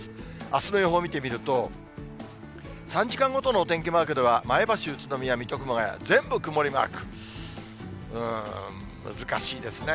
あすの予報見てみると、３時間ごとのお天気マークでは、前橋、宇都宮、水戸、熊谷、全部曇りマーク。うーん、難しいですね。